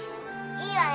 いいわよ。